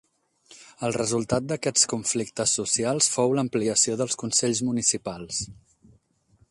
El resultat d'aquests conflictes socials fou l'ampliació dels consells municipals.